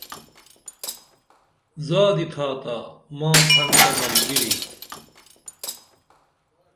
زادی تھاتا ماپھن تہ ملگری